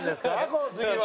この次は。